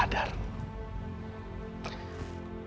ya sudah lupa